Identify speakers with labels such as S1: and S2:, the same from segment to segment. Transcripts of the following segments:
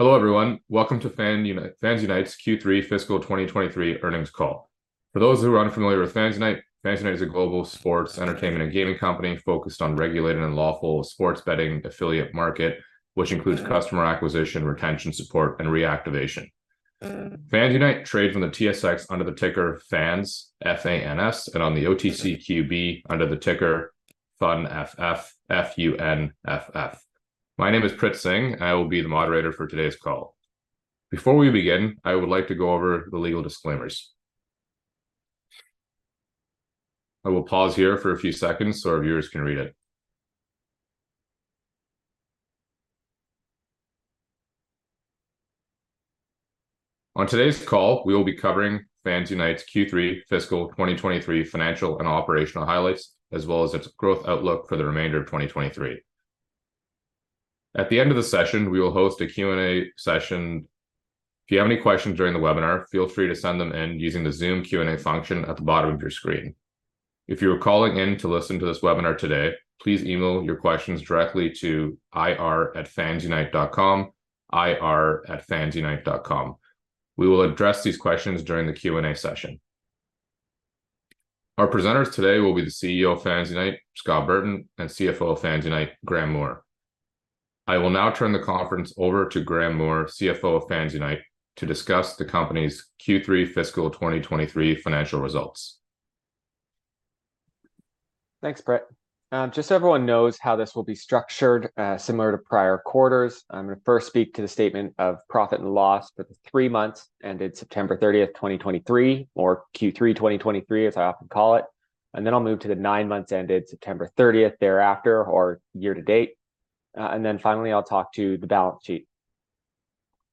S1: Hello, everyone. Welcome to FansUnite's Q3 Fiscal 2023 earnings call. For those who are unfamiliar with FansUnite, FansUnite is a global sports, entertainment, and gaming company focused on regulated and lawful sports betting affiliate market, which includes customer acquisition, retention support, and reactivation. FansUnite trade from the TSX under the ticker FANS, F-A-N-S, and on the OTCQB under the ticker FUNFF, F-U-N-F-F. My name is Prit Singh, I will be the moderator for today's call. Before we begin, I would like to go over the legal disclaimers. I will pause here for a few seconds so our viewers can read it. On today's call, we will be covering FansUnite's Q3 Fiscal 2023 financial and operational highlights, as well as its growth outlook for the remainder of 2023. At the end of the session, we will host a Q&A session. If you have any questions during the webinar, feel free to send them in using the Zoom Q&A function at the bottom of your screen. If you are calling in to listen to this webinar today, please email your questions directly to ir@fansunite.com, ir@fansunite.com. We will address these questions during the Q&A session. Our presenters today will be the CEO of FansUnite, Scott Burton, and CFO of FansUnite, Graeme Moore. I will now turn the conference over to Graeme Moore, CFO of FansUnite, to discuss the company's Q3 Fiscal 2023 financial results.
S2: Thanks, Prit. Just so everyone knows how this will be structured, similar to prior quarters, I'm gonna first speak to the Statement of Profit and Loss for the three months ended September 30th, 2023, or Q3 2023, as I often call it, and then I'll move to the nine months ended September 30th thereafter, or year to date, and then finally I'll talk to the balance sheet.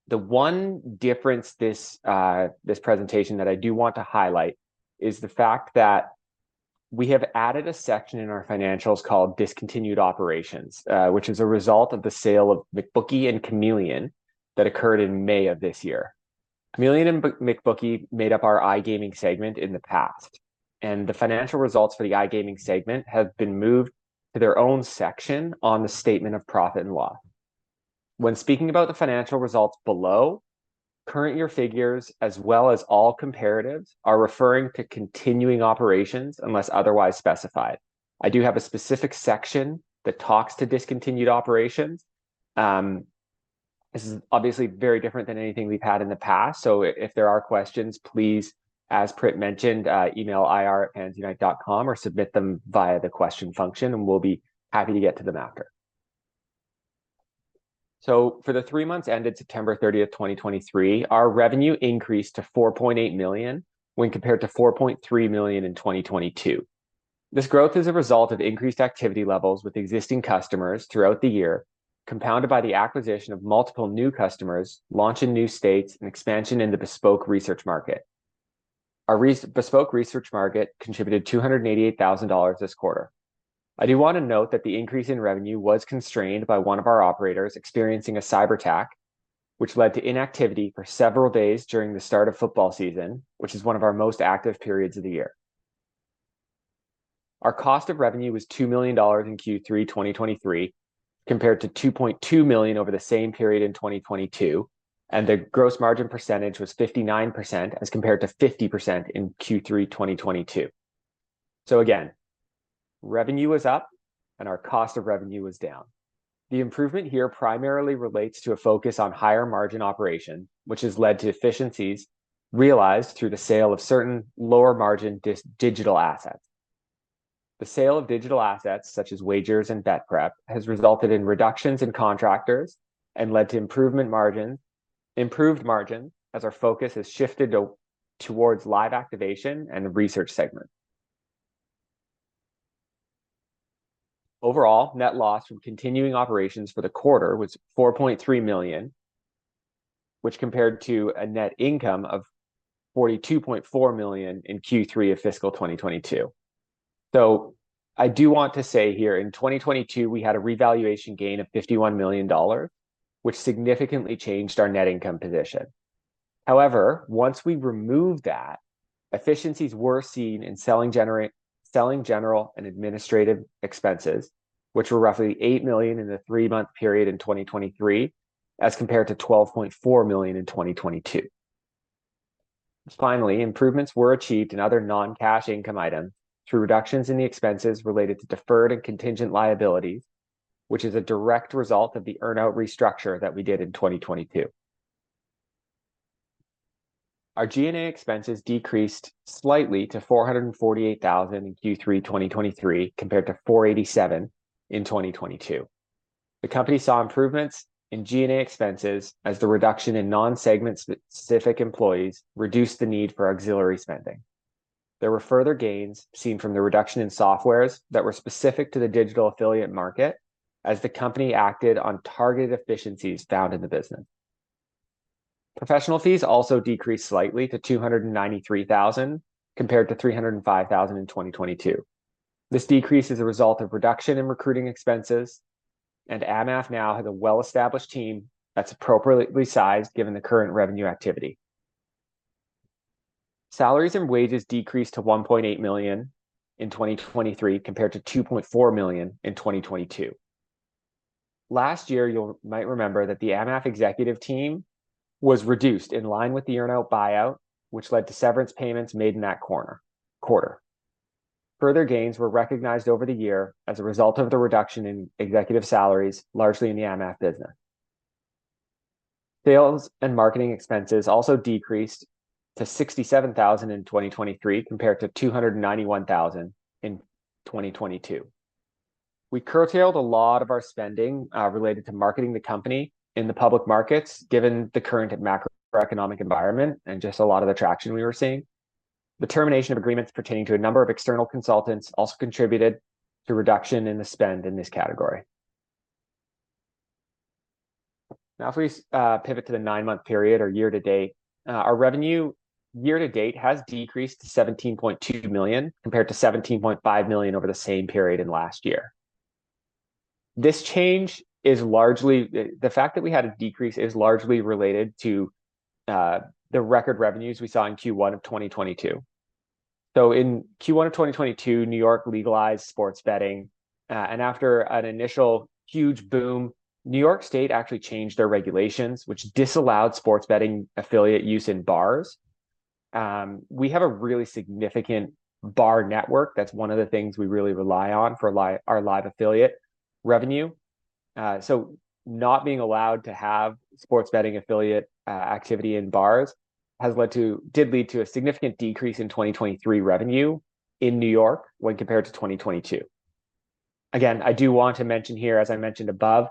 S2: The one difference this, this presentation that I do want to highlight is the fact that we have added a section in our financials called discontinued operations, which is a result of the sale of McBookie and Chameleon that occurred in May of this year. Chameleon and McBookie made up our iGaming segment in the past, and the financial results for the iGaming segment have been moved to their own section on the statement of profit and loss. When speaking about the financial results below, current year figures, as well as all comparatives, are referring to continuing operations unless otherwise specified. I do have a specific section that talks to discontinued operations. This is obviously very different than anything we've had in the past, so if there are questions, please, as Prit mentioned, email ir@fansunite.com or submit them via the question function, and we'll be happy to get to them after. So for the three months ended September 30th, 2023, our revenue increased to 4.8 million, when compared to 4.3 million in 2022. This growth is a result of increased activity levels with existing customers throughout the year, compounded by the acquisition of multiple new customers, launch in new states, and expansion in the bespoke research market. Our Bespoke Research market contributed 288,000 dollars this quarter. I do wanna note that the increase in revenue was constrained by one of our operators experiencing a cyber attack, which led to inactivity for several days during the start of football season, which is one of our most active periods of the year. Our cost of revenue was 2 million dollars in Q3 2023, compared to 2.2 million over the same period in 2022, and the gross margin percentage was 59%, as compared to 50% in Q3 2022. So again, revenue is up and our cost of revenue is down. The improvement here primarily relates to a focus on higher margin operation, which has led to efficiencies realized through the sale of certain lower margin digital assets. The sale of digital assets, such as Wagers and BetPrep, has resulted in reductions in contractors and led to improved margin, as our focus has shifted towards live activation and the research segment. Overall, net loss from continuing operations for the quarter was 4.3 million, which compared to a net income of 42.4 million in Q3 of Fiscal 2022. So I do want to say here, in 2022, we had a revaluation gain of 51 million dollars, which significantly changed our net income position. However, once we removed that, efficiencies were seen in selling general and administrative expenses, which were roughly 8 million in the three-month period in 2023, as compared to 12.4 million in 2022. Finally, improvements were achieved in other non-cash income items through reductions in the expenses related to deferred and contingent liabilities, which is a direct result of the earn-out restructure that we did in 2022. Our G&A expenses decreased slightly to 448,000 in Q3 2023, compared to 487,000 in 2022. The company saw improvements in G&A expenses as the reduction in non-segment-specific employees reduced the need for auxiliary spending. There were further gains seen from the reduction in software that was specific to the digital affiliate market, as the company acted on targeted efficiencies found in the business. Professional fees also decreased slightly to 293,000, compared to 305,000 in 2022. This decrease is a result of reduction in recruiting expenses, and AmAff now has a well-established team that's appropriately sized, given the current revenue activity. Salaries and wages decreased to 1.8 million in 2023, compared to 2.4 million in 2022. Last year, you might remember that the AmAff executive team was reduced in line with the earn-out buyout, which led to severance payments made in that quarter. Further gains were recognized over the year as a result of the reduction in executive salaries, largely in the AmAff business. Sales and marketing expenses also decreased to 67 thousand in 2023, compared to 291 thousand in 2022. We curtailed a lot of our spending related to marketing the company in the public markets, given the current macroeconomic environment and just a lot of the traction we were seeing. The termination of agreements pertaining to a number of external consultants also contributed to reduction in the spend in this category. Now, if we pivot to the nine-month period or year to date, our revenue year to date has decreased to 17.2 million, compared to 17.5 million over the same period in last year. This change is largely, the fact that we had a decrease is largely related to the record revenues we saw in Q1 of 2022. So in Q1 of 2022, New York legalized sports betting, and after an initial huge boom, New York State actually changed their regulations, which disallowed sports betting affiliate use in bars. We have a really significant bar network. That's one of the things we really rely on for our live affiliate revenue. So not being allowed to have sports betting affiliate activity in bars has led to did lead to a significant decrease in 2023 revenue in New York when compared to 2022. Again, I do want to mention here, as I mentioned above,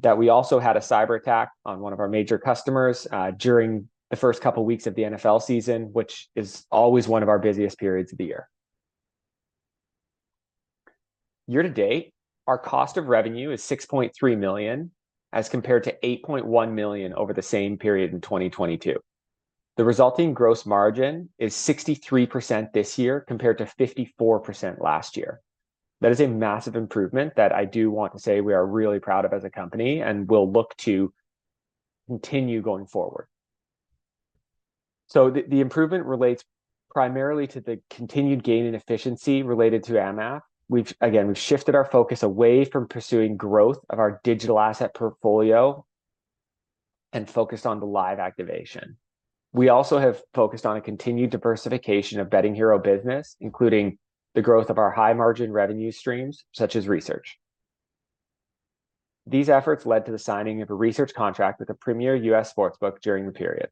S2: that we also had a cyberattack on one of our major customers during the first couple of weeks of the NFL season, which is always one of our busiest periods of the year. Year to date, our cost of revenue is 6.3 million, as compared to 8.1 million over the same period in 2022. The resulting gross margin is 63% this year, compared to 54% last year. That is a massive improvement that I do want to say we are really proud of as a company, and we'll look to continue going forward. So the improvement relates primarily to the continued gain in efficiency related to AmAff. Again, we've shifted our focus away from pursuing growth of our digital asset portfolio and focused on the live activation. We also have focused on a continued diversification of Betting Hero business, including the growth of our high-margin revenue streams, such as research. These efforts led to the signing of a research contract with a premier U.S. sportsbook during the period.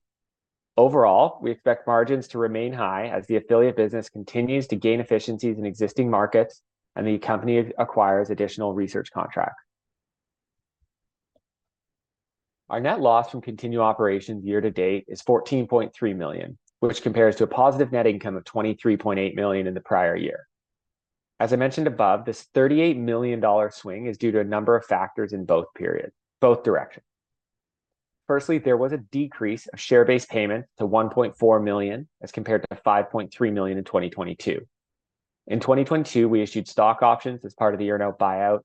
S2: Overall, we expect margins to remain high as the affiliate business continues to gain efficiencies in existing markets and the company acquires additional research contracts. Our net loss from continued operations year to date is 14.3 million, which compares to a positive net income of 23.8 million in the prior year. As I mentioned above, this 38 million dollar swing is due to a number of factors in both periods, both directions. Firstly, there was a decrease of share-based payments to 1.4 million, as compared to 5.3 million in 2022. In 2022, we issued stock options as part of the earn-out buyout.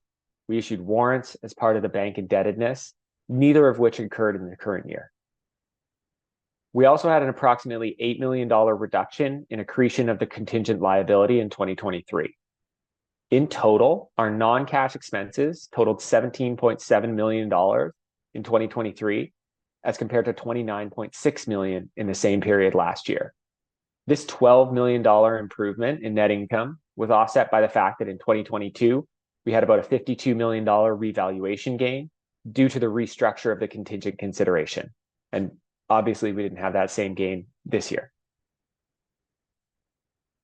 S2: We issued warrants as part of the bank indebtedness, neither of which occurred in the current year. We also had an approximately 8 million dollar reduction in accretion of the contingent liability in 2023. In total, our non-cash expenses totaled 17.7 million dollars in 2023, as compared to 29.6 million in the same period last year. This 12 million dollar improvement in net income was offset by the fact that in 2022, we had about a 52 million dollar revaluation gain due to the restructure of the contingent consideration, and obviously, we didn't have that same gain this year.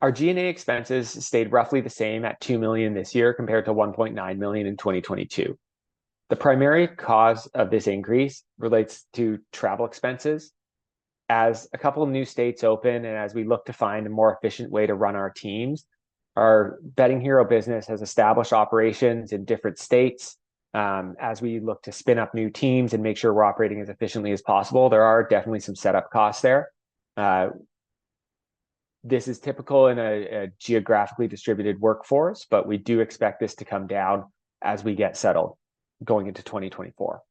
S2: Our G&A expenses stayed roughly the same at 2 million this year, compared to 1.9 million in 2022. The primary cause of this increase relates to travel expenses. As a couple of new states open, and as we look to find a more efficient way to run our teams, our Betting Hero business has established operations in different states. As we look to spin up new teams and make sure we're operating as efficiently as possible, there are definitely some setup costs there. This is typical in a geographically distributed workforce, but we do expect this to come down as we get settled going into 2024.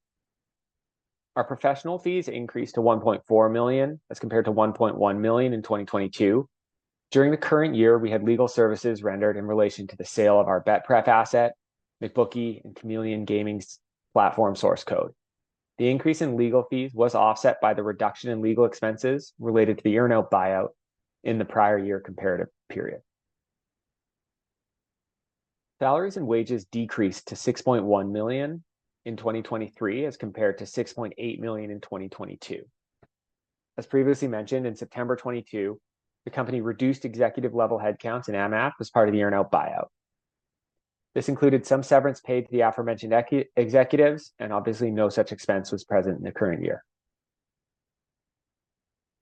S2: Our professional fees increased to 1.4 million, as compared to 1.1 million in 2022. During the current year, we had legal services rendered in relation to the sale of our BetPrep asset, McBookie, and Chameleon Gaming's platform source code. The increase in legal fees was offset by the reduction in legal expenses related to the earn-out buyout in the prior year comparative period. Salaries and wages decreased to 6.1 million in 2023, as compared to 6.8 million in 2022. As previously mentioned, in September 2022, the company reduced executive-level headcounts in AmAff as part of the earn-out buyout. This included some severance paid to the aforementioned executives, and obviously, no such expense was present in the current year.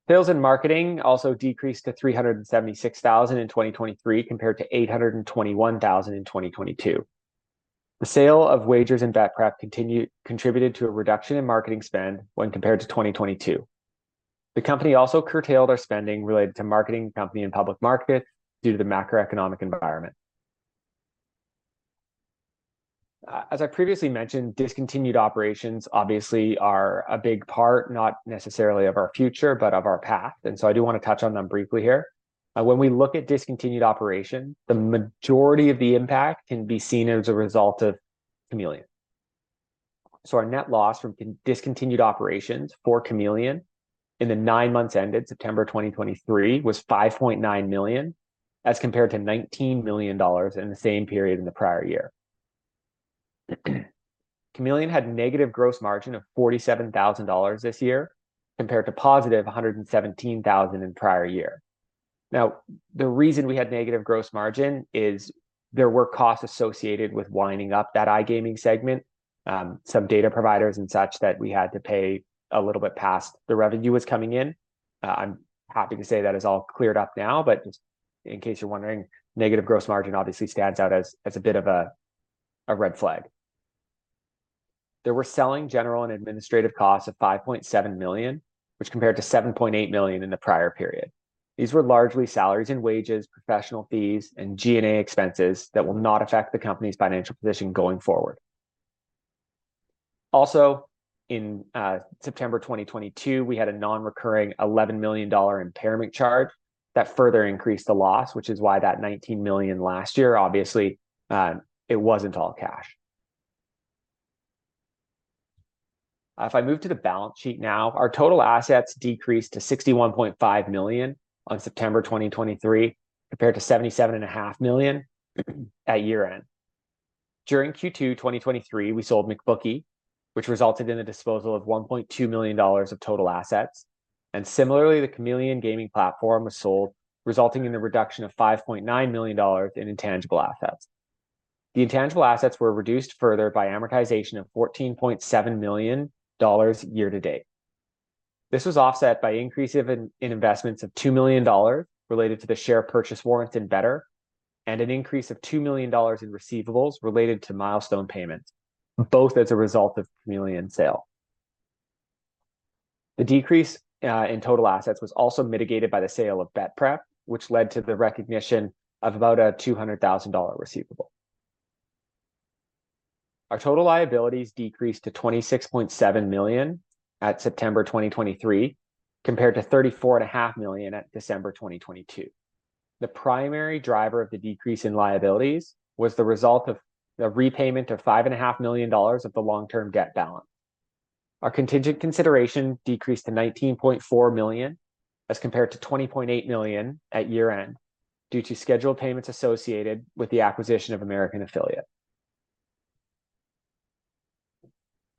S2: Sales and marketing also decreased to 376,000 in 2023, compared to 821,000 in 2022. The sale of Wagers and BetPrep contributed to a reduction in marketing spend when compared to 2022. The company also curtailed our spending related to marketing the company in public markets due to the macroeconomic environment. As I previously mentioned, discontinued operations obviously are a big part, not necessarily of our future, but of our path, and so I do wanna touch on them briefly here. When we look at discontinued operation, the majority of the impact can be seen as a result of Chameleon. So our net loss from discontinued operations for Chameleon in the nine months ended September 2023 was 5.9 million, as compared to 19 million dollars in the same period in the prior year. Chameleon had negative gross margin of 47,000 dollars this year, compared to positive 117,000 in prior year. Now, the reason we had negative gross margin is there were costs associated with winding up that iGaming segment, some data providers and such, that we had to pay a little bit past the revenue was coming in. I'm happy to say that is all cleared up now, but just in case you're wondering, negative gross margin obviously stands out as a bit of a red flag. There were selling general and administrative costs of 5.7 million, which compared to 7.8 million in the prior period. These were largely salaries and wages, professional fees, and G&A expenses that will not affect the company's financial position going forward. Also, in September 2022, we had a non-recurring 11 million dollar impairment charge that further increased the loss, which is why that 19 million last year, obviously, it wasn't all cash. If I move to the balance sheet now, our total assets decreased to 61.5 million on September 2023, compared to 77.5 million at year-end. During Q2 2023, we sold McBookie, which resulted in the disposal of 1.2 million dollars of total assets, and similarly, the Chameleon Gaming Platform was sold, resulting in the reduction of 5.9 million dollars in intangible assets. The intangible assets were reduced further by amortization of 14.7 million dollars year to date. This was offset by increase in investments of 2 million dollars related to the share purchase warrant in Betr, and an increase of 2 million dollars in receivables related to milestone payments, both as a result of Chameleon sale. The decrease in total assets was also mitigated by the sale of BetPrep, which led to the recognition of about a 200,000 dollar receivable. Our total liabilities decreased to 26.7 million at September 2023, compared to 34.5 million at December 2022. The primary driver of the decrease in liabilities was the result of the repayment of 5.5 million dollars of the long-term debt balance. Our contingent consideration decreased to 19.4 million, as compared to 20.8 million at year-end, due to scheduled payments associated with the acquisition of American Affiliate.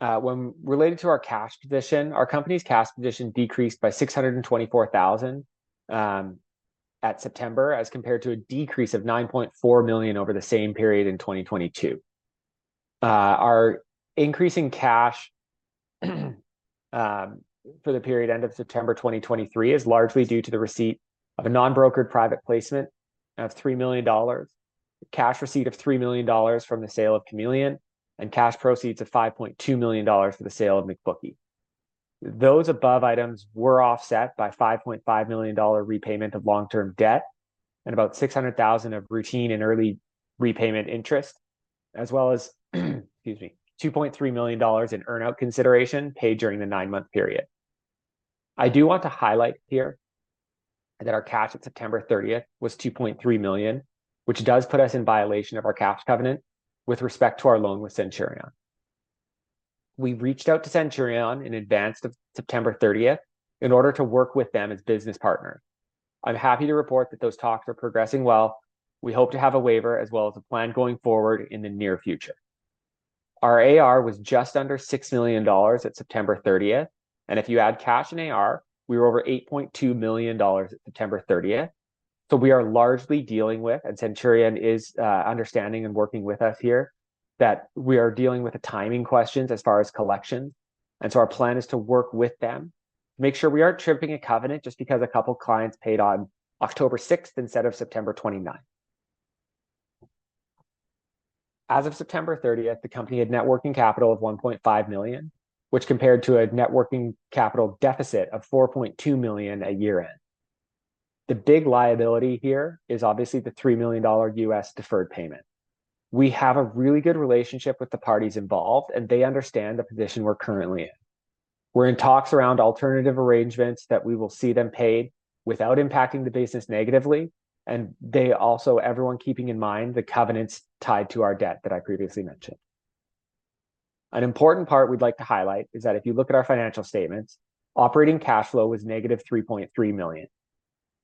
S2: When related to our cash position, our company's cash position decreased by 624,000 at September, as compared to a decrease of 9.4 million over the same period in 2022. Our increase in cash for the period end of September 2023 is largely due to the receipt of a non-brokered private placement of 3 million dollars, cash receipt of 3 million dollars from the sale of Chameleon, and cash proceeds of 5.2 million dollars for the sale of McBookie. Those above items were offset by 5.5 million dollar repayment of long-term debt, and about 600,000 of routine and early repayment interest, as well as, excuse me, 2.3 million dollars in earn-out consideration paid during the nine-month period. I do want to highlight here that our cash at September 30th was 2.3 million, which does put us in violation of our cash covenant with respect to our loan with Centurion. We reached out to Centurion in advance of September 30 in order to work with them as business partner. I'm happy to report that those talks are progressing well. We hope to have a waiver as well as a plan going forward in the near future. Our AR was just under 6 million dollars at September 30th, and if you add cash and AR, we were over 8.2 million dollars at September 30th. So we are largely dealing with, and Centurion is understanding and working with us here, that we are dealing with the timing questions as far as collections. And so our plan is to work with them, make sure we aren't tripping a covenant just because a couple clients paid on October 6th instead of September 29th. As of September thirtieth, the company had net working capital of 1.5 million, which compared to a net working capital deficit of 4.2 million at year-end. The big liability here is obviously the 3 million dollar U.S. deferred payment. We have a really good relationship with the parties involved, and they understand the position we're currently in. We're in talks around alternative arrangements that we will see them paid without impacting the business negatively, and they also, everyone keeping in mind the covenants tied to our debt that I previously mentioned. An important part we'd like to highlight is that if you look at our financial statements, operating cash flow was negative 3.3 million.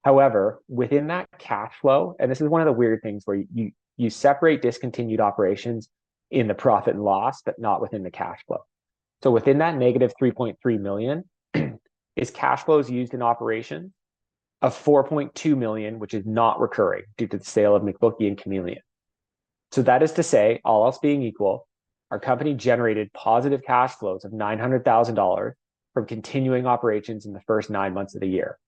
S2: However, within that cash flow, and this is one of the weird things, where you separate discontinued operations in the profit and loss, but not within the cash flow. So within that negative 3.3 million is cash flows used in operations of 4.2 million, which is not recurring due to the sale of McBookie and Chameleon. So that is to say, all else being equal, our company generated positive cash flows of 900,000 dollars from continuing operations in the first nine months of the year.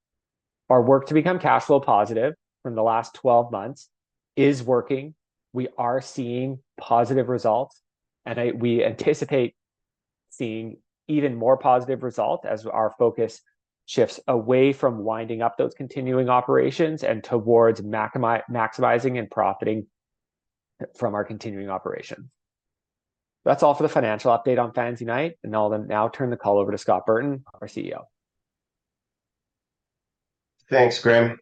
S2: Our work to become cash flow positive from the last 12 months is working. We are seeing positive results, and we anticipate seeing even more positive result as our focus shifts away from winding up those continuing operations and towards maximizing and profiting from our continuing operations. That's all for the financial update on FansUnite, and I'll now turn the call over to Scott Burton, our CEO.
S3: Thanks, Graeme.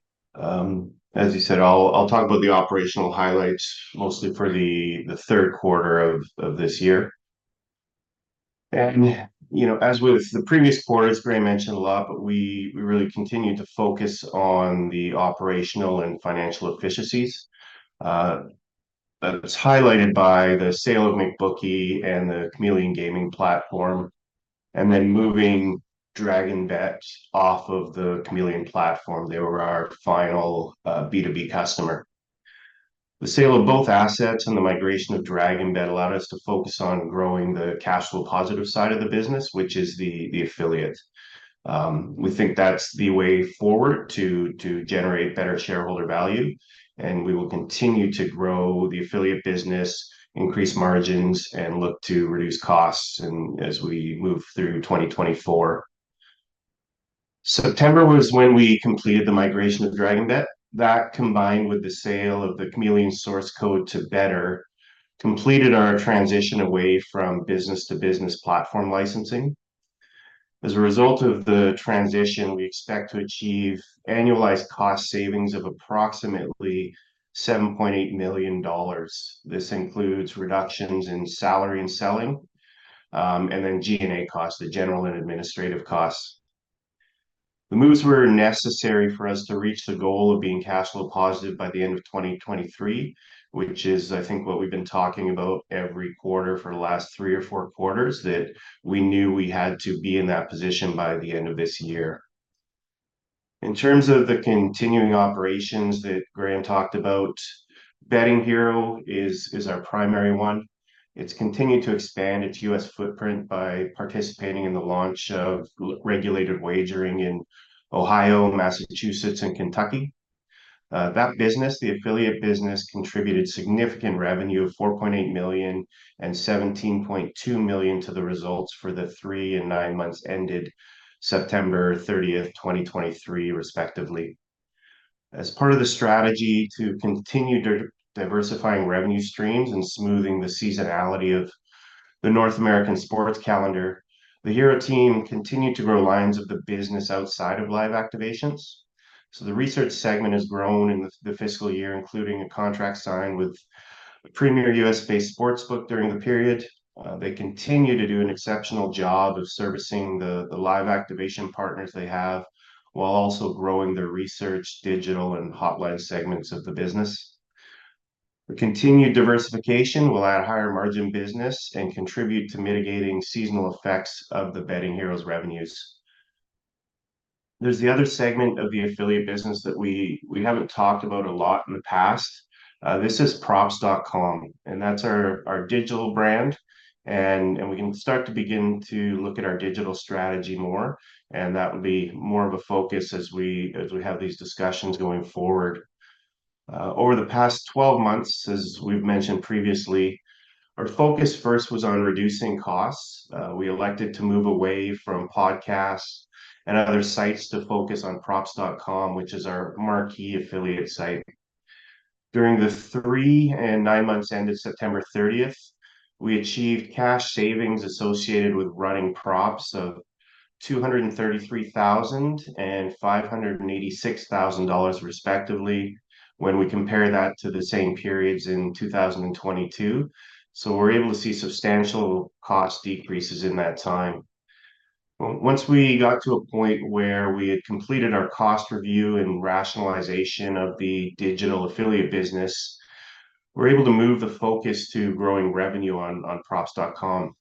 S3: As you said, I'll talk about the operational highlights mostly for the third quarter of this year. You know, as with the previous quarters, Graeme mentioned a lot, but we really continued to focus on the operational and financial efficiencies. That was highlighted by the sale of McBookie and the Chameleon Gaming platform, and then moving DragonBet off of the Chameleon platform. They were our final B2B customer. The sale of both assets and the migration of DragonBet allowed us to focus on growing the cash flow positive side of the business, which is the affiliate. We think that's the way forward to generate better shareholder value, and we will continue to grow the affiliate business, increase margins, and look to reduce costs as we move through 2024. September was when we completed the migration of DragonBet. That, combined with the sale of the Chameleon source code to Betr, completed our transition away from business-to-business platform licensing. As a result of the transition, we expect to achieve annualized cost savings of approximately 7.8 million dollars. This includes reductions in salary and selling, and then G&A costs, the general and administrative costs. The moves were necessary for us to reach the goal of being cash flow positive by the end of 2023, which is, I think, what we've been talking about every quarter for the last three or four quarters, that we knew we had to be in that position by the end of this year. In terms of the continuing operations that Graeme talked about, Betting Hero is our primary one. It's continued to expand its U.S. footprint by participating in the launch of regulated wagering in Ohio, Massachusetts, and Kentucky. That business, the affiliate business, contributed significant revenue of 4.8 million and 17.2 million to the results for the three and nine months ended September 30th, 2023, respectively. As part of the strategy to continue diversifying revenue streams and smoothing the seasonality of the North American sports calendar, the Hero team continued to grow lines of the business outside of live activations. So the research segment has grown in the fiscal year, including a contract signed with a premier U.S.-based sportsbook during the period. They continue to do an exceptional job of servicing the live activation partners they have, while also growing their research, digital, and hotline segments of the business. The continued diversification will add higher-margin business and contribute to mitigating seasonal effects of the Betting Hero's revenues. There's the other segment of the affiliate business that we haven't talked about a lot in the past. This is Props.com, and that's our digital brand, and we can start to begin to look at our digital strategy more, and that would be more of a focus as we have these discussions going forward. Over the past 12 months, as we've mentioned previously, our focus first was on reducing costs. We elected to move away from podcasts and other sites to focus on Props.com, which is our marquee affiliate site. During the three and nine months ended September 30th, we achieved cash savings associated with running Props of 233,000 and 586,000 dollars, respectively, when we compare that to the same periods in 2022, so we're able to see substantial cost decreases in that time. Once we got to a point where we had completed our cost review and rationalization of the digital affiliate business, we're able to move the focus to growing revenue on, on Props.com.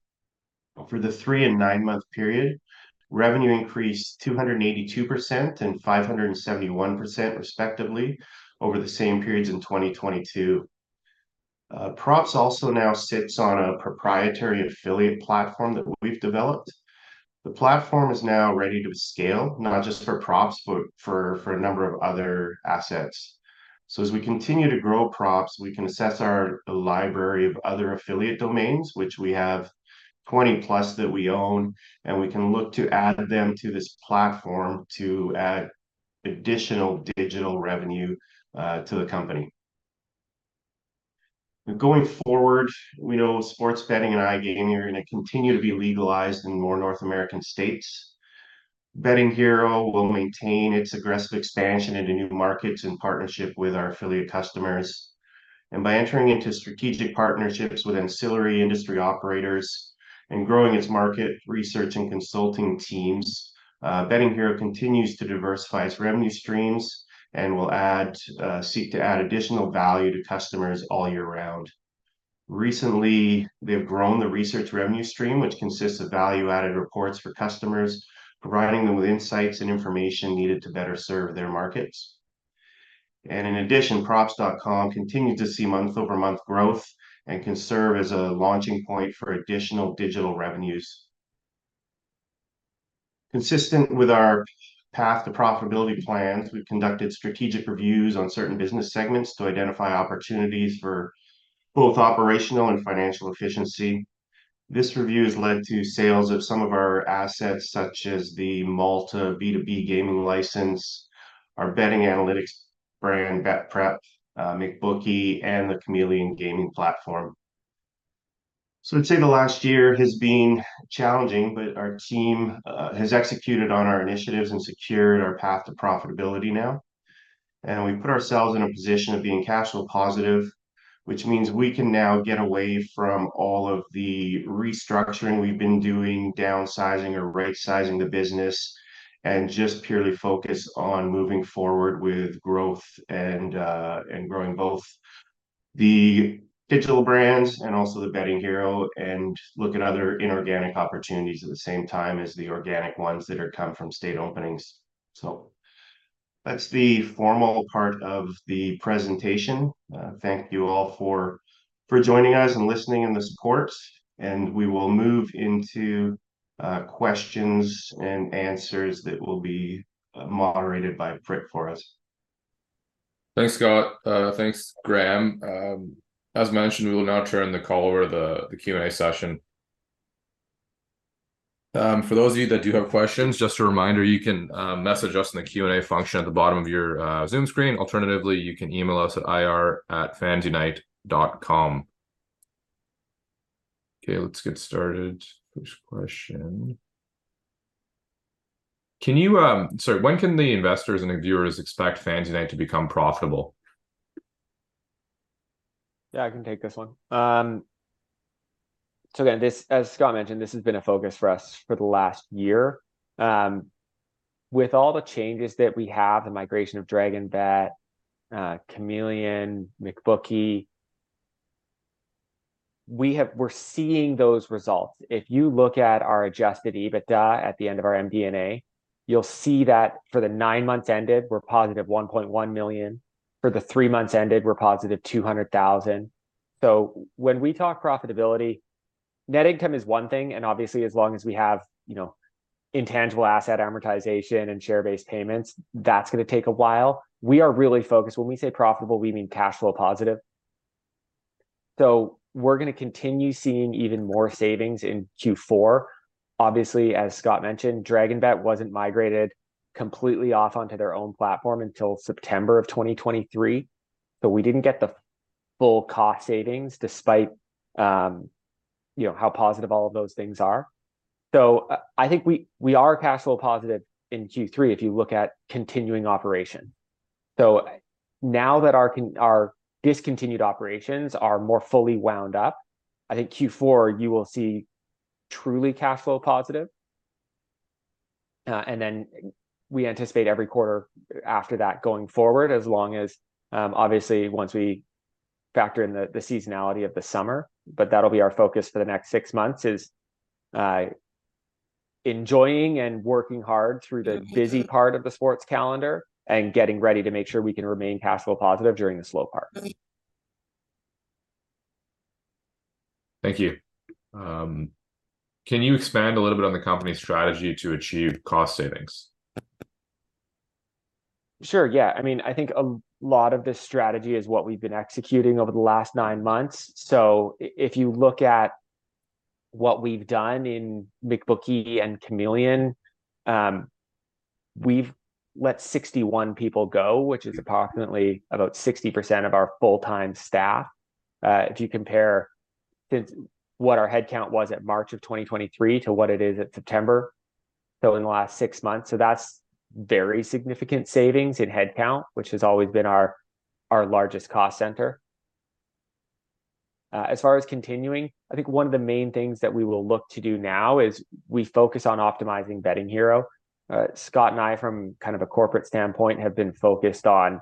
S3: For the three and nine-month period, revenue increased 282% and 571%, respectively, over the same periods in 2022. Props also now sits on a proprietary affiliate platform that we've developed. The platform is now ready to scale, not just for Props, but for, for a number of other assets. As we continue to grow Props, we can assess our library of other affiliate domains, which we have 20+ that we own, and we can look to add them to this platform to add additional digital revenue to the company. Going forward, we know sports betting and iGaming are gonna continue to be legalized in more North American states. Betting Hero will maintain its aggressive expansion into new markets in partnership with our affiliate customers, and by entering into strategic partnerships with ancillary industry operators and growing its market research and consulting teams, Betting Hero continues to diversify its revenue streams and will add, seek to add additional value to customers all year round. Recently, they have grown the research revenue stream, which consists of value-added reports for customers, providing them with insights and information needed to better serve their markets. In addition, Props.com continued to see month-over-month growth and can serve as a launching point for additional digital revenues. Consistent with our path to profitability plans, we've conducted strategic reviews on certain business segments to identify opportunities for both operational and financial efficiency. This review has led to sales of some of our assets, such as the Malta B2B gaming license, our betting analytics brand, BetPrep, McBookie, and the Chameleon gaming platform. So I'd say the last year has been challenging, but our team has executed on our initiatives and secured our path to profitability now, and we've put ourselves in a position of being cash flow positive, which means we can now get away from all of the restructuring we've been doing, downsizing or rightsizing the business, and just purely focus on moving forward with growth and growing both the digital brands and also the Betting Hero, and look at other inorganic opportunities at the same time as the organic ones that come from state openings. So that's the formal part of the presentation. Thank you all for joining us and listening, and the support, and we will move into questions and answers that will be moderated by Prit for us.
S1: Thanks, Scott. Thanks, Graeme. As mentioned, we will now turn the call over to the Q&A session. For those of you that do have questions, just a reminder, you can message us in the Q&A function at the bottom of your Zoom screen. Alternatively, you can email us at ir@fansunite.com. Okay, let's get started. First question: "Can you. Sorry, when can the investors and the viewers expect FanDuel to become profitable?
S2: Yeah, I can take this one. So again, this, as Scott mentioned, this has been a focus for us for the last year. With all the changes that we have, the migration of DragonBet, Chameleon, McBookie, we're seeing those results. If you look at our adjusted EBITDA at the end of our MD&A, you'll see that for the nine months ended, we're positive 1.1 million. For the three months ended, we're positive 200,000. So when we talk profitability, net income is one thing, and obviously, as long as we have, you know, intangible asset amortization and share-based payments, that's gonna take a while. We are really focused. When we say profitable, we mean cash flow positive. So we're gonna continue seeing even more savings in Q4. Obviously, as Scott mentioned, DragonBet wasn't migrated completely off onto their own platform until September of 2023, so we didn't get the full cost savings, despite, you know, how positive all of those things are. So, I think we, we are cash flow positive in Q3, if you look at continuing operation. So now that our our discontinued operations are more fully wound up, I think Q4, you will see truly cash flow positive. And then we anticipate every quarter after that going forward, as long as, obviously, once we factor in the, the seasonality of the summer, but that'll be our focus for the next six months, is, enjoying and working hard through the busy part of the sports calendar, and getting ready to make sure we can remain cash flow positive during the slow part.
S1: Thank you. Can you expand a little bit on the company's strategy to achieve cost savings?
S2: Sure, yeah. I mean, I think a lot of this strategy is what we've been executing over the last nine months. So if you look at what we've done in McBookie and Chameleon, we've let 61 people go, which is approximately about 60% of our full-time staff. If you compare to what our headcount was at March of 2023 to what it is at September, so in the last six months, so that's very significant savings in headcount, which has always been our, our largest cost center. As far as continuing, I think one of the main things that we will look to do now is we focus on optimizing Betting Hero. Scott and I, from kind of a corporate standpoint, have been focused on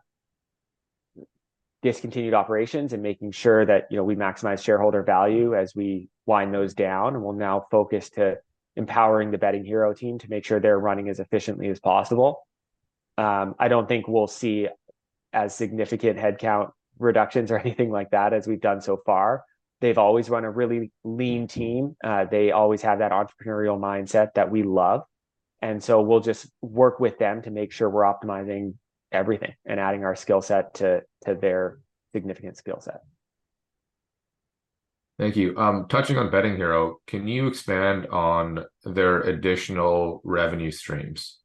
S2: discontinued operations and making sure that, you know, we maximize shareholder value as we wind those down. We'll now focus to empowering the Betting Hero team to make sure they're running as efficiently as possible. I don't think we'll see as significant headcount reductions or anything like that as we've done so far. They've always run a really lean team. They always have that entrepreneurial mindset that we love, and so we'll just work with them to make sure we're optimizing everything and adding our skill set to, to their significant skill set.
S1: Thank you. Touching on Betting Hero, can you expand on their additional revenue streams?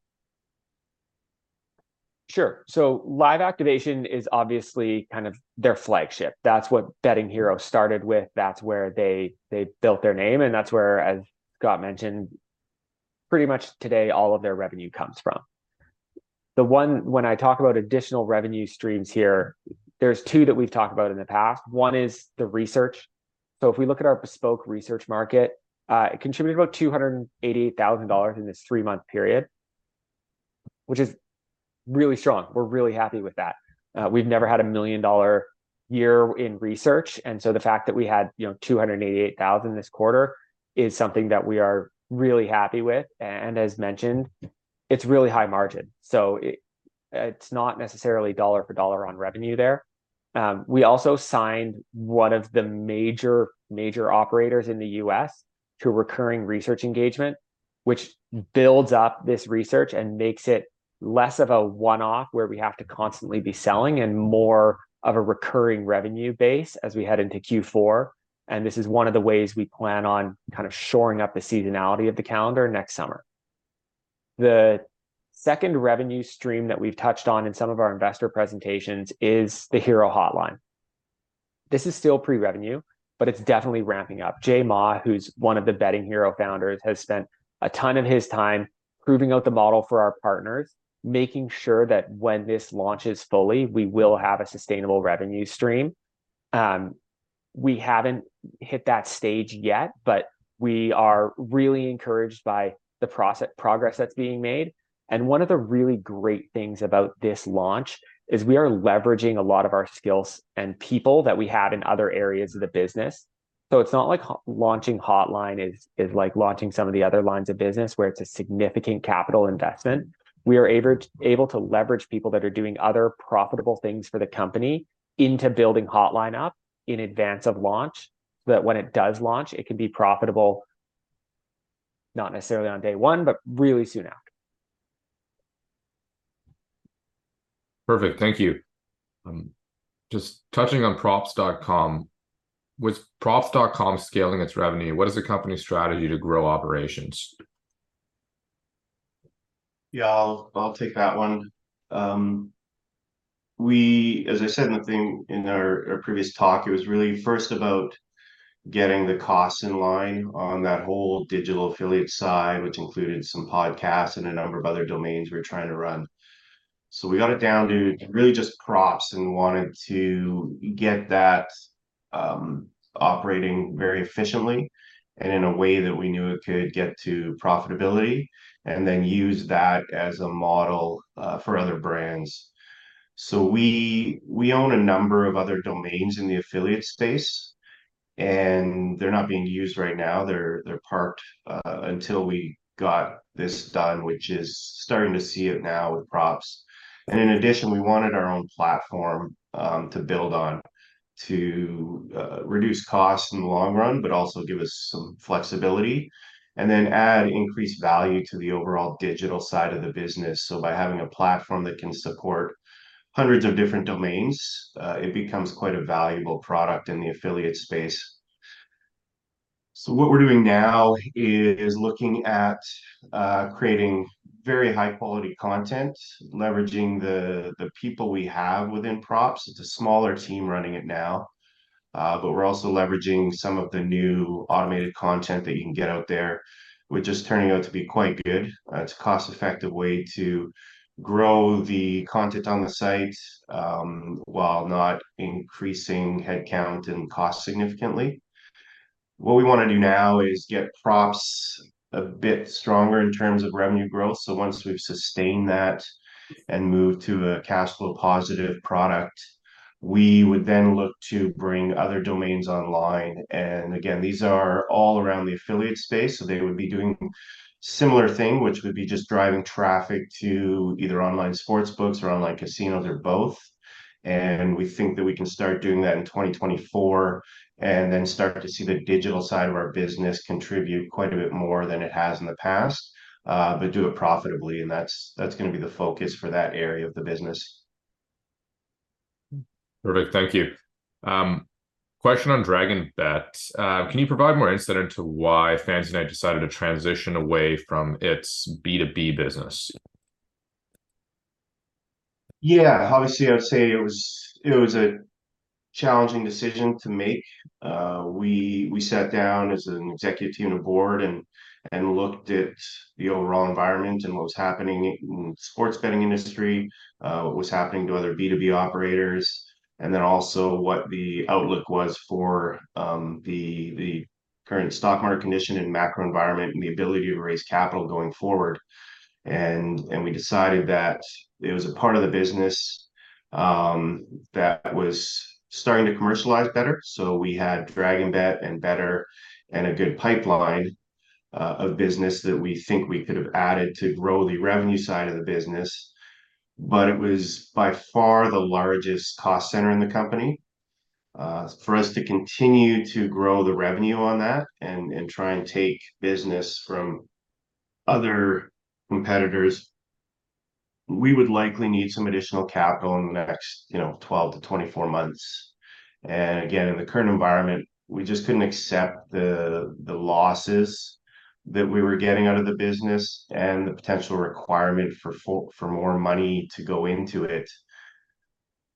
S2: Sure. So live activation is obviously kind of their flagship. That's what Betting Hero started with, that's where they, they built their name, and that's where, as Scott mentioned, pretty much today, all of their revenue comes from. When I talk about additional revenue streams here, there's two that we've talked about in the past. One is the research. So if we look at our Bespoke Research market, it contributed about 288,000 dollars in this three-month period, which is really strong. We're really happy with that. We've never had a million-dollar year in research, and so the fact that we had, you know, 288,000 this quarter is something that we are really happy with, and as mentioned, it's really high margin, so it, it's not necessarily dollar for dollar on revenue there. We also signed one of the major, major operators in the U.S. to recurring research engagement, which builds up this research and makes it less of a one-off where we have to constantly be selling, and more of a recurring revenue base as we head into Q4, and this is one of the ways we plan on kind of shoring up the seasonality of the calendar next summer. The second revenue stream that we've touched on in some of our investor presentations is the Hero Hotline. This is still pre-revenue, but it's definitely ramping up. Jai Maw, who's one of the Betting Hero founders, has spent a ton of his time proving out the model for our partners, making sure that when this launches fully, we will have a sustainable revenue stream. We haven't hit that stage yet, but we are really encouraged by the progress that's being made. And one of the really great things about this launch is we are leveraging a lot of our skills and people that we have in other areas of the business. So it's not like launching Hotline is like launching some of the other lines of business, where it's a significant capital investment. We are able to leverage people that are doing other profitable things for the company into building Hotline up in advance of launch, so that when it does launch, it can be profitable, not necessarily on day one, but really soon after.
S1: Perfect, thank you. Just touching on Props.com, with Props.com scaling its revenue, what is the company's strategy to grow operations?
S3: Yeah, I'll take that one. As I said in the thing, in our previous talk, it was really first about getting the costs in line on that whole digital affiliate side, which included some podcasts and a number of other domains we were trying to run. So we got it down to really just Props, and we wanted to get that operating very efficiently, and in a way that we knew it could get to profitability, and then use that as a model for other brands. So we own a number of other domains in the affiliate space, and they're not being used right now. They're parked until we got this done, which is starting to see it now with Props. In addition, we wanted our own platform, to build on, to, reduce costs in the long run, but also give us some flexibility, and then add increased value to the overall digital side of the business. By having a platform that can support hundreds of different domains, it becomes quite a valuable product in the affiliate space. What we're doing now is looking at creating very high-quality content, leveraging the people we have within Props. It's a smaller team running it now, but we're also leveraging some of the new automated content that you can get out there, which is turning out to be quite good. It's a cost-effective way to grow the content on the site, while not increasing headcount and cost significantly. What we wanna do now is get Props a bit stronger in terms of revenue growth, so once we've sustained that and moved to a cash flow positive product, we would then look to bring other domains online. And again, these are all around the affiliate space, so they would be doing similar thing, which would be just driving traffic to either online sportsbooks or online casinos, or both. And we think that we can start doing that in 2024, and then start to see the digital side of our business contribute quite a bit more than it has in the past, but do it profitably, and that's gonna be the focus for that area of the business.
S1: Perfect, thank you. Question on DragonBet. Can you provide more insight into why FansUnite decided to transition away from its B2B business?
S3: Yeah. Obviously, I would say it was a challenging decision to make. We sat down as an executive team and board and looked at the overall environment and what was happening in the sports betting industry, what was happening to other B2B operators, and then also what the outlook was for the current stock market condition and macro environment, and the ability to raise capital going forward. And we decided that it was a part of the business that was starting to commercialize better. So we had DragonBet and Betr, and a good pipeline of business that we think we could have added to grow the revenue side of the business, but it was by far the largest cost center in the company. For us to continue to grow the revenue on that and try and take business from other competitors, we would likely need some additional capital in the next, you know, 12-24 months. And again, in the current environment, we just couldn't accept the losses that we were getting out of the business, and the potential requirement for more money to go into it.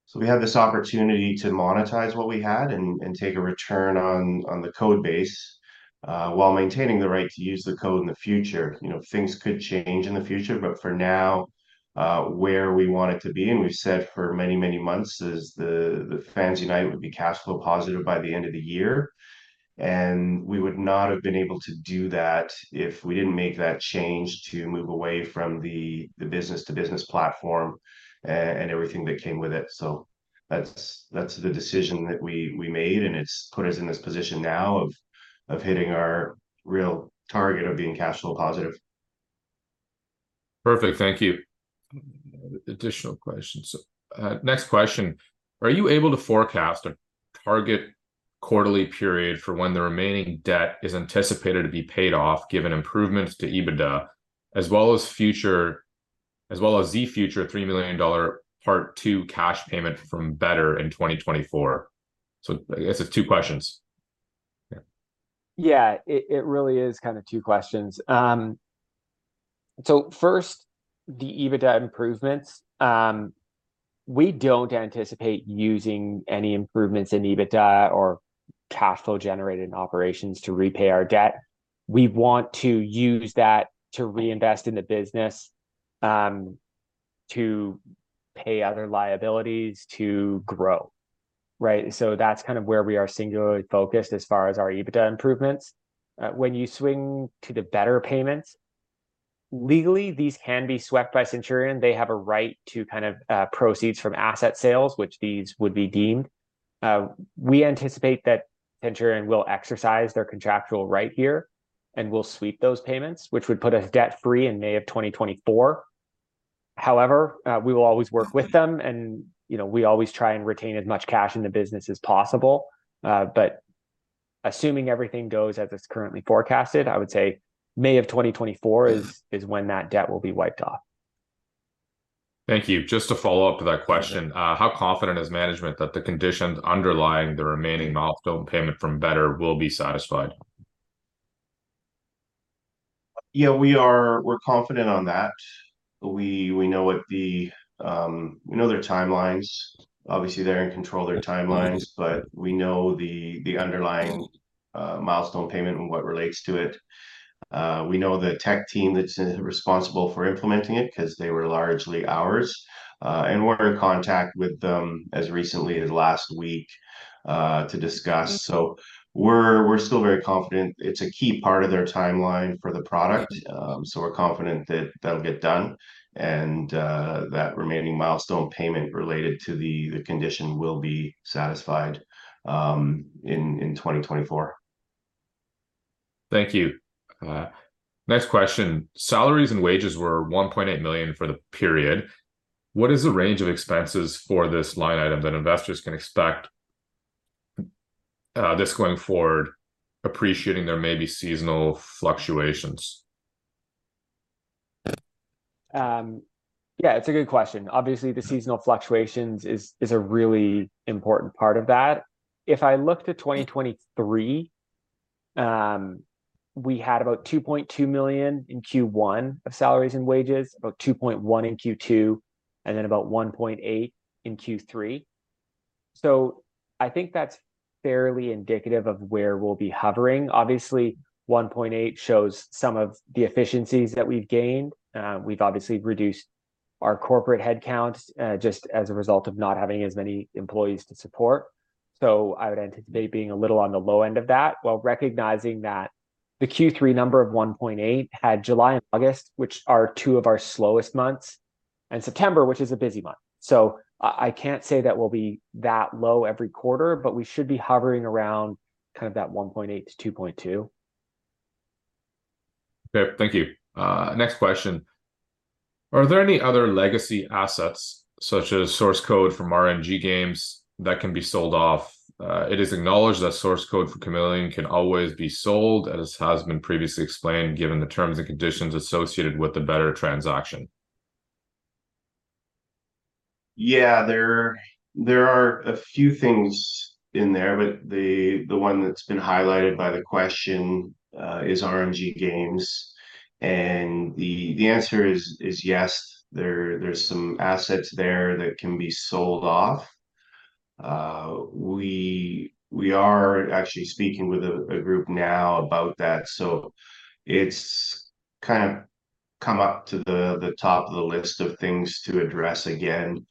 S3: So we had this opportunity to monetize what we had and take a return on the code base while maintaining the right to use the code in the future. You know, things could change in the future, but for now, where we want it to be, and we've said for many, many months, is the FansUnite would be cash flow positive by the end of the year. And we would not have been able to do that if we didn't make that change to move away from the business-to-business platform and everything that came with it. That's the decision that we made, and it's put us in this position now of hitting our real target of being cash flow positive.
S1: Perfect, thank you. Additional questions. Next question: Are you able to forecast a target quarterly period for when the remaining debt is anticipated to be paid off, given improvements to EBITDA, as well as future 3 million dollar part two cash payment from Betr in 2024? So I guess it's two questions. Yeah.
S2: Yeah, it really is kind of two questions. So first, the EBITDA improvements. We don't anticipate using any improvements in EBITDA or cash flow generated in operations to repay our debt. We want to use that to reinvest in the business, to pay other liabilities to grow, right? So that's kind of where we are singularly focused as far as our EBITDA improvements. When you swing to the Betr payments, legally, these can be swept by Centurion. They have a right to kind of proceeds from asset sales, which these would be deemed. We anticipate that Centurion will exercise their contractual right here, and will sweep those payments, which would put us debt-free in May of 2024. However, we will always work with them, and, you know, we always try and retain as much cash in the business as possible. But assuming everything goes as it's currently forecasted, I would say May of 2024 is when that debt will be wiped off.
S1: Thank you. Just to follow up with that question, how confident is management that the conditions underlying the remaining milestone payment from Betr will be satisfied?
S3: Yeah, we are, we're confident on that. We know their timelines. Obviously, they're in control of their timelines, but we know the underlying milestone payment and what relates to it. We know the tech team that's responsible for implementing it, 'cause they were largely ours. And we're in contact with them as recently as last week to discuss. So we're still very confident. It's a key part of their timeline for the product, so we're confident that that'll get done, and that remaining milestone payment related to the condition will be satisfied in 2024.
S1: Thank you. Next question. Salaries and wages were 1.8 million for the period. What is the range of expenses for this line item that investors can expect, this going forward, appreciating there may be seasonal fluctuations?
S2: Yeah, it's a good question. Obviously, the seasonal fluctuations is a really important part of that. If I look to 2023, we had about 2.2 million in Q1 of salaries and wages, about 2.1 million in Q2, and then about 1.8 million in Q3. So I think that's fairly indicative of where we'll be hovering. Obviously, 1.8 million shows some of the efficiencies that we've gained. We've obviously reduced our corporate headcount, just as a result of not having as many employees to support. So I would anticipate being a little on the low end of that, while recognizing that the Q3 number of 1.8 million had July and August, which are two of our slowest months, and September, which is a busy month. So I can't say that we'll be that low every quarter, but we should be hovering around kind of that 1.8 million-2.2 million.
S1: Okay, thank you. Next question. Are there any other legacy assets, such as source code from RNG games, that can be sold off? It is acknowledged that source code for Chameleon can always be sold, as has been previously explained, given the terms and conditions associated with the Betr transaction.
S3: Yeah, there are a few things in there, but the one that's been highlighted by the question is RNG games, and the answer is yes, there's some assets there that can be sold off. We are actually speaking with a group now about that, so it's kind of come up to the top of the list of things to address again.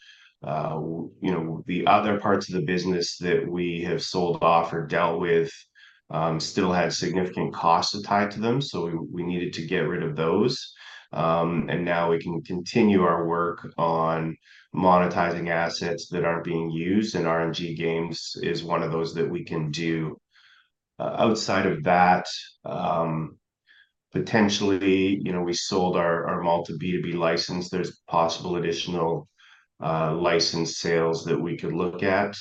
S3: You know, the other parts of the business that we have sold off or dealt with still had significant costs tied to them, so we needed to get rid of those. And now we can continue our work on monetizing assets that aren't being used, and RNG games is one of those that we can do. Outside of that, potentially, you know, we sold our Malta B2B license. There's possible additional license sales that we could look at,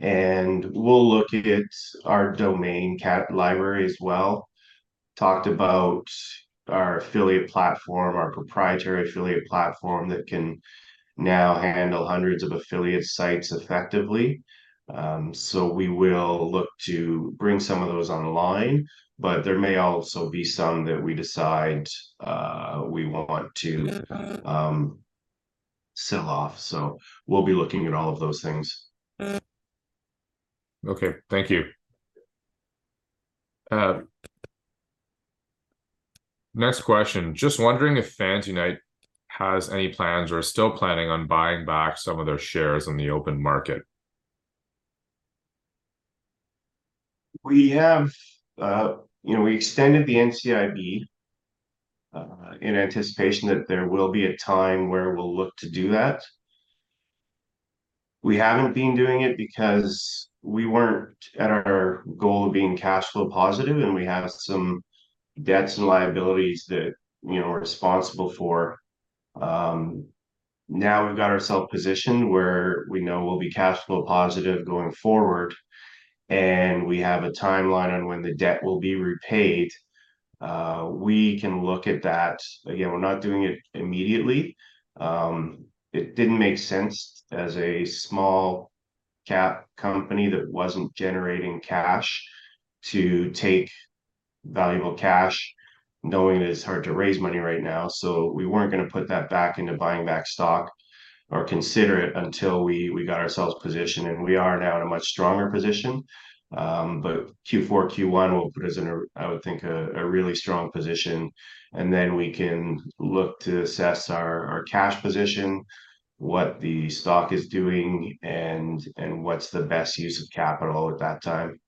S3: and we'll look at our domain cat library as well. Talked about our affiliate platform, our proprietary affiliate platform, that can now handle hundreds of affiliate sites effectively. So we will look to bring some of those online, but there may also be some that we decide we want to sell off. So we'll be looking at all of those things.
S1: Okay, thank you. Next question. Just wondering if FansUnite has any plans or is still planning on buying back some of their shares on the open market?
S3: We have, you know, we extended the NCIB in anticipation that there will be a time where we'll look to do that. We haven't been doing it because we weren't at our goal of being cash flow positive, and we had some debts and liabilities that, you know, we're responsible for. Now we've got ourself positioned where we know we'll be cash flow positive going forward, and we have a timeline on when the debt will be repaid. We can look at that. Again, we're not doing it immediately. It didn't make sense as a small cap company that wasn't generating cash to take valuable cash, knowing it's hard to raise money right now. So we weren't gonna put that back into buying back stock or consider it until we got ourselves positioned, and we are now in a much stronger position. But Q4, Q1 will put us in a really strong position, I would think, and then we can look to assess our cash position, what the stock is doing, and what's the best use of capital at that time.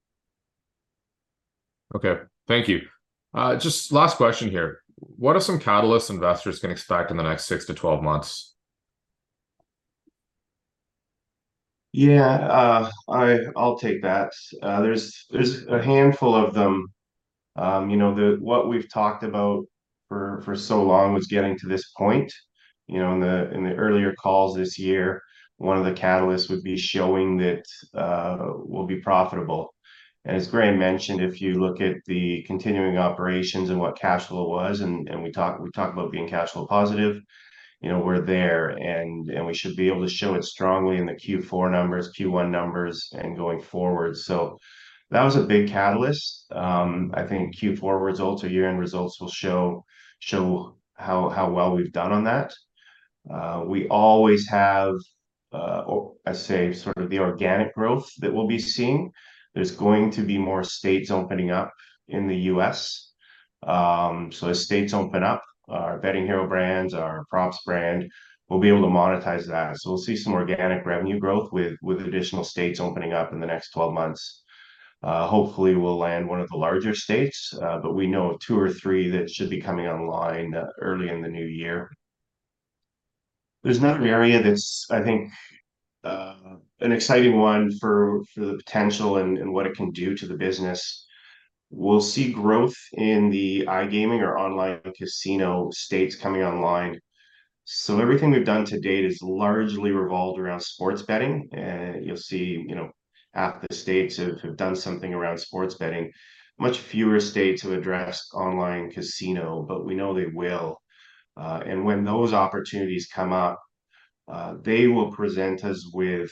S1: Okay. Thank you. Just last question here: what are some catalysts investors can expect in the next six to 12 months?
S3: Yeah. I'll take that. There's a handful of them. You know, what we've talked about for so long was getting to this point. You know, in the earlier calls this year, one of the catalysts would be showing that we'll be profitable. And as Graeme mentioned, if you look at the continuing operations and what cash flow was, and we talked about being cash flow positive, you know, we're there, and we should be able to show it strongly in the Q4 numbers, Q1 numbers, and going forward. So that was a big catalyst. I think Q4 results or year-end results will show how well we've done on that. We always have, I say, sort of the organic growth that we'll be seeing. There's going to be more states opening up in the U.S. So as states open up, our Betting Hero brands, our Props brand, we'll be able to monetize that. So we'll see some organic revenue growth with additional states opening up in the next 12 months. Hopefully, we'll land one of the larger states, but we know of two or three that should be coming online early in the new year. There's another area that's, I think, an exciting one for the potential and what it can do to the business. We'll see growth in the iGaming or online casino states coming online. So everything we've done to date is largely revolved around sports betting, and you'll see, you know, half the states have done something around sports betting. Much fewer states have addressed online casino, but we know they will. And when those opportunities come up, they will present us with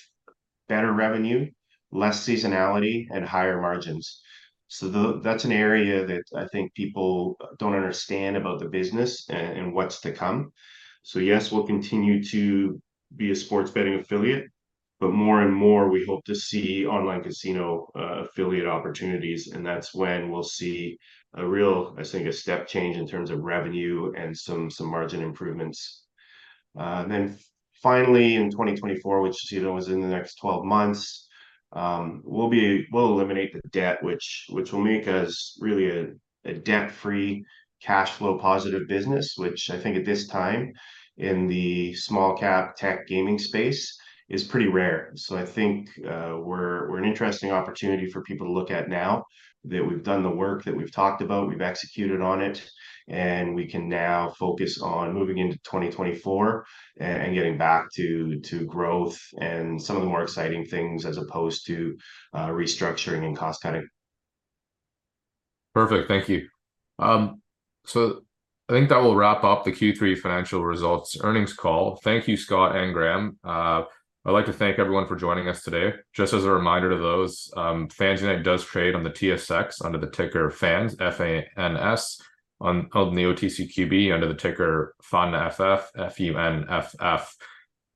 S3: better revenue, less seasonality, and higher margins. So that's an area that I think people don't understand about the business and, and what's to come. So yes, we'll continue to be a sports betting affiliate, but more and more we hope to see online casino affiliate opportunities, and that's when we'll see a real, I think, a step change in terms of revenue and some, some margin improvements. Then finally, in 2024, which, you know, is in the next 12 months, we'll eliminate the debt which, which will make us really a debt-free, cash flow positive business, which I think at this time in the small cap tech gaming space is pretty rare. So I think we're an interesting opportunity for people to look at now that we've done the work that we've talked about, we've executed on it, and we can now focus on moving into 2024 and getting back to growth and some of the more exciting things as opposed to restructuring and cost cutting.
S1: Perfect. Thank you. So I think that will wrap up the Q3 financial results earnings call. Thank you, Scott and Graeme. I'd like to thank everyone for joining us today. Just as a reminder to those, FansUnite does trade on the TSX under the ticker FANS, F-A-N-S, on the OTCQB under the ticker FUNFF, F-U-N-F-F.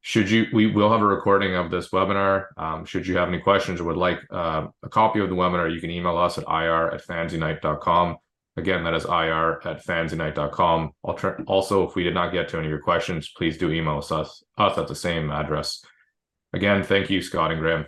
S1: Should you... We will have a recording of this webinar. Should you have any questions or would like a copy of the webinar, you can email us at ir@fansunite.com. Again, that is ir@fansunite.com. Also, if we did not get to any of your questions, please do email us at the same address. Again, thank you, Scott and Graeme.